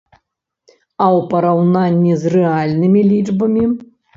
А ў параўнанні з рэальнымі лічбамі?